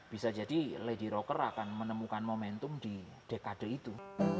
bisa jadi lady rocker akan menemukan momentum di dekade itu